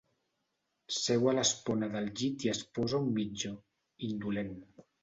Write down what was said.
Seu a l'espona del llit i es posa un mitjó, indolent.